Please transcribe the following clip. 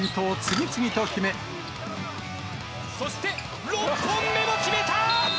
そして６本目も決めた。